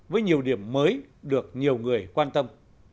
với nhiều điểm mới được nhiều người quan tâm